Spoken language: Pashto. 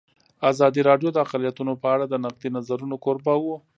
ازادي راډیو د اقلیتونه په اړه د نقدي نظرونو کوربه وه.